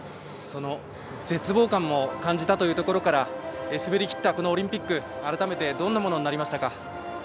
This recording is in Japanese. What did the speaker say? その絶望感も感じたというところから滑り切った、このオリンピック改めてどんなものになりましたか。